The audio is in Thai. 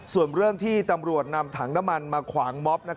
ส่วนเรื่องที่ตำรวจนำถังน้ำมันมาขวางม็อบ